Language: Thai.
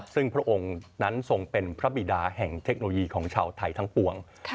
ซึ่งพระองค์นั้นทรงเป็นพระบิดาแห่งเทคโนโลยีของชาวไทยทั้งปวง